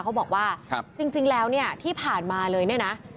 เขาบอกว่าจริงแล้วเนี่ยที่ผ่านมาเลยเนี่ยนะ